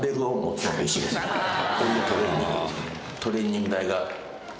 こういうトレーニング。